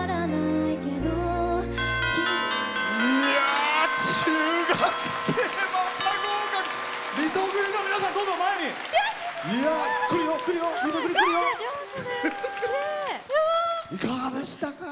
いかがでしたか？